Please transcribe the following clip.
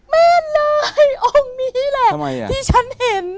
แม่นายองค์นี้แหละที่ฉันเห็น